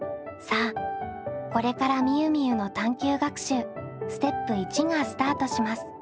さあこれからみゆみゆの探究学習ステップ①がスタートします。